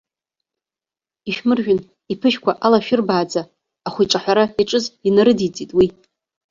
Ишәмыржәын, иԥышәқәа алашәырбааӡа, ахә иҿаҳәара иаҿыз инарыдиҵеит уи.